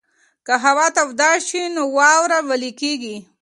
که هوا توده شي نو واوره ویلې کېږي.